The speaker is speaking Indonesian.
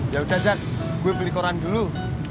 ya udah zak gue beli koran dulu